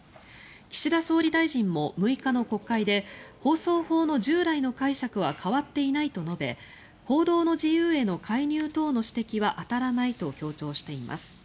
岸田総理大臣も６日の国会で放送法の従来の解釈は変わっていないと述べ報道の自由への介入等の指摘は当たらないと強調しています。